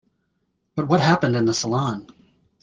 But what happened in the salon?